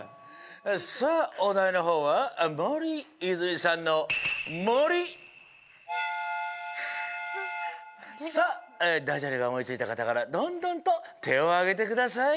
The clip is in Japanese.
さあおだいのほうは森泉さんのさあダジャレがおもいついたかたからどんどんとてをあげてください。